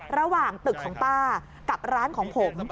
ระหว่างตึกของป้ากับร้านของผม